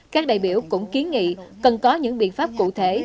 các đại biểu cũng kiến nghị cần có những biện pháp cụ thể